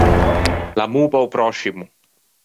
L’amô pe-o pròscimo.